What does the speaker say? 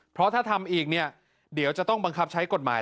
เพราะถ้าทำอีกเนี่ยเดี๋ยวจะต้องบังคับใช้กฎหมาย